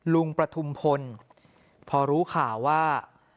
ประทุมพลพอรู้ข่าวว่า